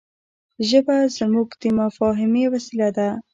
ژبه زموږ د مفاهيمي وسیله ده.